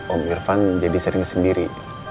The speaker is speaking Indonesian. om irfan jadi sering sendiri